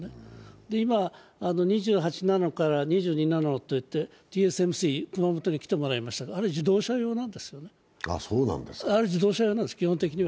今、２８ナノから２２ナノといってＴＳＭＣ、熊本に来てもらいましたがあれ、自動車用なんです、基本的には。